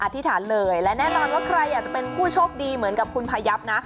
ธิษฐานเลยและแน่นอนว่าใครอยากจะเป็นผู้โชคดีเหมือนกับคุณพายับนะ